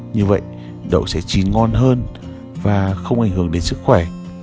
như vậy đậu sẽ chín ngon hơn và không ảnh hưởng đến sức khỏe